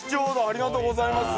ありがとうございます。